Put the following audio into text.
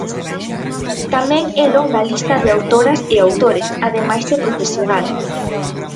Tamén é longa a lista de autoras e autores, ademais de profesional.